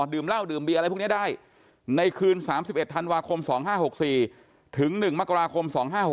ดื่มเหล้าดื่มเบียอะไรพวกนี้ได้ในคืน๓๑ธันวาคม๒๕๖๔ถึง๑มกราคม๒๕๖๖